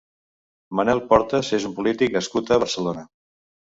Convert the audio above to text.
Manuel Portas és un polític nascut a Barcelona.